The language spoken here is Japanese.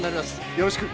よろしく。